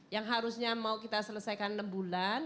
yang harusnya mau kita selesaikan enam bulan